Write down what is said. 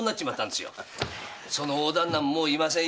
その大旦那ももう居ません。